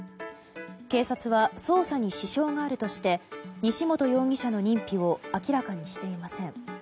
警察は、捜査に支障があるとして西本容疑者の認否を明らかにしていません。